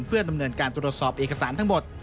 เพื่อดำเนินการตรวจสอบเอกสารทั้งหมด